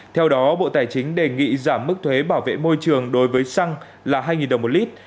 theo đó bộ tài chính đề nghị giảm mức thuế bảo vệ môi trường đối với xăng là hai đồng một lít